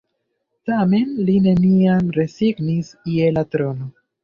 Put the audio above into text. Tamen li neniam rezignis je la trono.